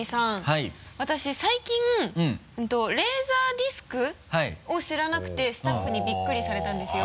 私最近レーザーディスク？を知らなくてスタッフにびっくりされたんですよ。